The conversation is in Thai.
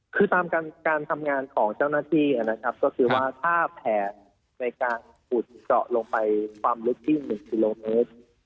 คือตามการทำงานของเจ้าหน้าที่นะครับก็คือว่าถ้าแผนในการขุดเจาะลงไปความลึกที่๑กิโลเมตร